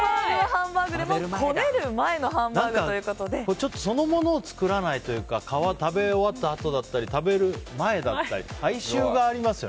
ハンバーグはハンバーグでもこねる前のそのものを作らないというか皮、食べ終わったあとだったり食べる前だったり。